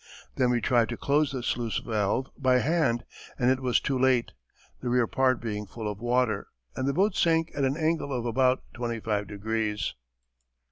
Then we tried to close the sluice valve, by hand, but it was too late, the rear part being full of water, and the boat sank at an angle of about twenty five degrees.